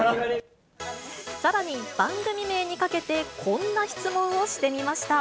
さらに番組名にかけて、こんな質問をしてみました。